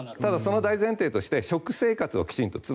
ただ、その大前提として食生活をきちんと。